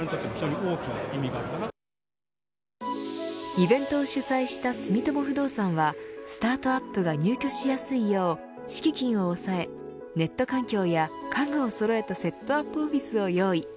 イベントを主催した住友不動産はスタートアップが入居しやすいよう敷金を抑えネット環境や家具をそろえたセットアップオフィスを用意。